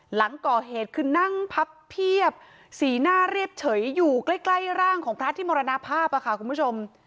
หลังก่อเหตุคือนั่งพับเพียบสีหน้าเรียบเฉยอยู่ใกล้ใกล้ร่างของพระที่มรณภาพค่ะคุณผู้ชม